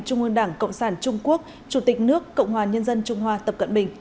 trung ương đảng cộng sản trung quốc chủ tịch nước cộng hòa nhân dân trung hoa tập cận bình